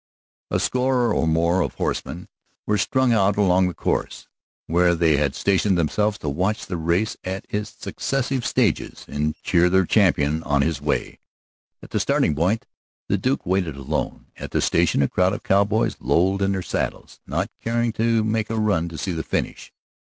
A score or more of horsemen were strung out along the course, where they had stationed themselves to watch the race at its successive stages, and cheer their champion on his way. At the starting point the Duke waited alone; at the station a crowd of cowboys lolled in their saddles, not caring to make a run to see the finish.